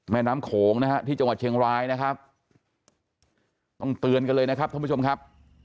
แม่น้ำโขงนะฮะที่จังหวัดเชียงรายนะครับต้องเตือนกันเลยนะครับท่านผู้ชมครับ